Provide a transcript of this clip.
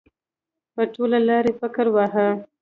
په ټوله لار یې فکر واهه.